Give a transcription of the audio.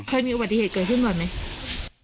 เคยมีอุบัติเหตุเกิดขึ้นบ่อยไหม